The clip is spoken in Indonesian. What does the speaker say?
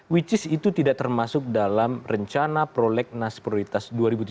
which is itu tidak termasuk dalam rencana prolegnas prioritas dua ribu tujuh belas